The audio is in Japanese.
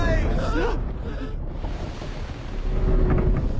あっ！